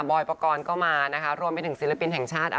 บอยประกอลก็มารวมไปถึงศิลปินแห่งชาติ